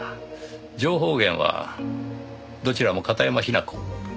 情報源はどちらも片山雛子。